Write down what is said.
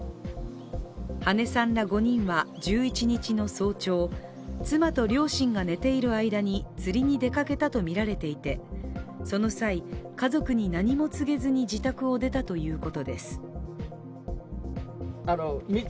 羽根さんら５人は１１日の早朝妻と両親が寝ている間に釣りに出かけたとみられていてその際、家族に何も告げずに自宅を出たということです。